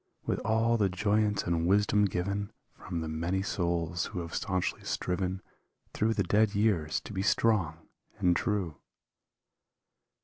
With all the joyance and wisdom given From the many souls who have stanchly striven Through the dead years to be strong and true.